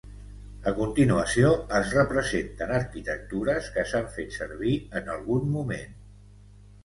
A continuació es representen arquitectures que s'han fet servir en algun moment.